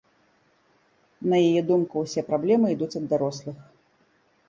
На яе думку, усе праблемы ідуць ад дарослых.